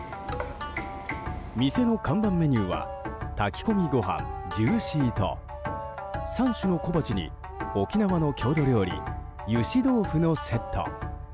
店の看板メニューは炊き込みご飯ジューシーと３種の小鉢に、沖縄の郷土料理ゆし豆腐のセット。